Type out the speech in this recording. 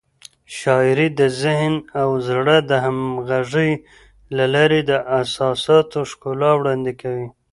شاعري د ذهن او زړه د همغږۍ له لارې د احساساتو ښکلا وړاندې کوي.